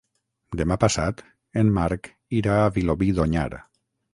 Demà passat en Marc irà a Vilobí d'Onyar.